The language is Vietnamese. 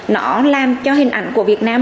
nó làm cho hình ảnh của việt nam